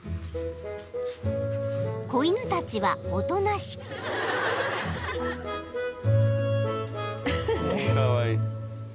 ［子犬たちはおとなしく］